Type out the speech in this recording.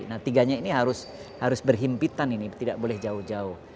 nah tiganya ini harus berhimpitan ini tidak boleh jauh jauh